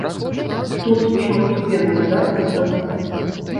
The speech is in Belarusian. Тут шматступенны ўдар па выдаўцах.